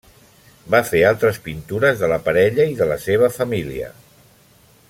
Va fer altres pintures de la parella i de la seva família.